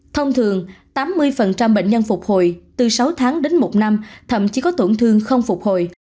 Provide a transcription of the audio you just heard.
thông thường tám mươi bệnh nhân phục hồi từ sáu tháng đến một năm thậm chí có tổn thương không phục hồi